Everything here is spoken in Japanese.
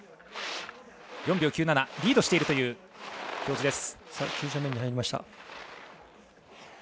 リードしているという表示。